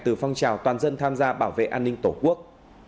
từ phong trào toàn dân tham gia bảo vệ an ninh tổ quốc